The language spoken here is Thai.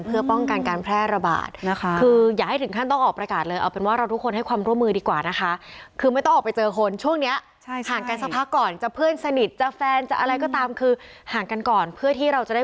เพื่อป้องกันการแพร่ระบาดนะคะคืออย่าให้ถึงขั้นต้องออกประกาศเลย